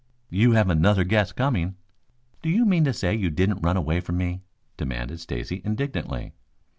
"You have another guess coming." "Do you mean to say you didn't run away from me?" demanded Stacy indignantly.